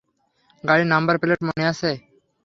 গাড়ির number plate মনে আছে?